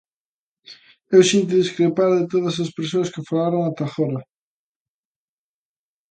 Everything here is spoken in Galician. Eu sinto discrepar de todas as persoas que falaron ata agora.